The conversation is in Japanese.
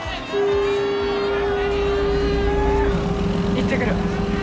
行ってくる。